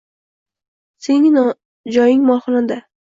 “Sening joying molxonada!”